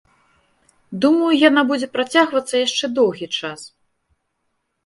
Думаю, яна будзе працягвацца яшчэ доўгі час.